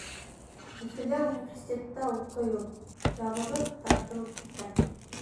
Өфөлә университетта уҡый ул. Ябығып, тартылып киткән.